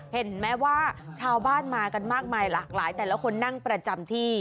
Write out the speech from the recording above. เห็นไหมว่าชาวบ้านมากันมากมายหลากหลายแต่ละคนนั่งประจำที่